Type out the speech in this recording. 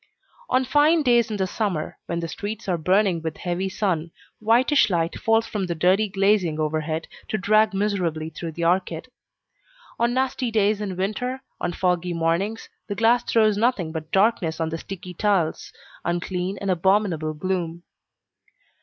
On fine days in the summer, when the streets are burning with heavy sun, whitish light falls from the dirty glazing overhead to drag miserably through the arcade. On nasty days in winter, on foggy mornings, the glass throws nothing but darkness on the sticky tiles unclean and abominable gloom.